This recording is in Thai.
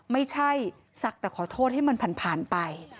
ไม่ใช่ศักดิ์แต่ขอโทษให้มันผ่านไป